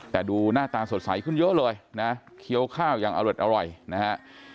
แต่ดูหน้าตาสดใสขึ้นเยอะเลยนะเคี้ยวข้าวอย่างอร่อยนะฮะ